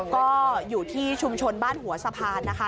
ก็อยู่ที่ชุมชนบ้านหัวสะพานนะคะ